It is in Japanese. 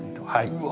うわ。